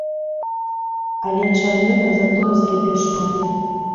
Але чарніла затое зрабіў шмат.